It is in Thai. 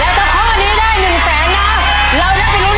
ได้หรือไม่ได้